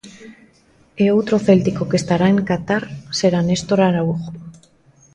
E outro céltico que estará en Qatar será Néstor Araújo.